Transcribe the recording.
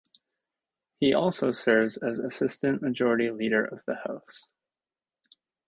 He also serves as Assistant Majority Leader of the House.